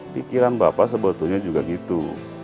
pikiran bapak sebetulnya juga gitu